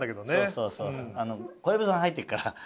そうそう小籔さん入ってるから。